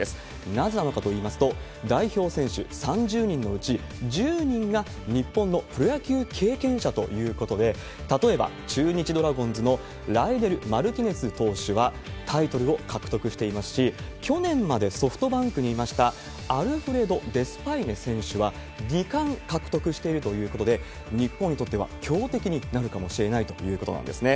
なぜなのかといいますと、代表選手３０人のうち１０人が、日本のプロ野球経験者ということで、例えば、中日ドラゴンズのライデル・マルティネス投手はタイトルを獲得していますし、去年までソフトバンクにいましたアルフレド・デスパイネ選手は、二冠獲得しているということで、日本にとっては強敵になるかもしれないということなんですね。